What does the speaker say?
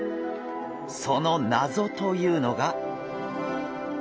その謎というのが。